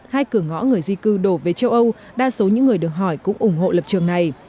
hai cửa ngõ người di cư đổ về châu âu đa số những người được hỏi cũng ủng hộ lập trường này